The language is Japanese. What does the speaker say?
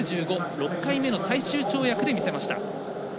６回目の最終跳躍で見せました。